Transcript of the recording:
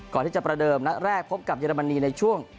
ก่อนที่จะประเดิมนักแรกพบกับเยรมนีในช่วง